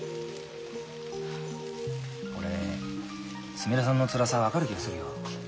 俺すみれさんのつらさ分かる気がするよ。